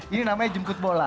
ini namanya jemput bola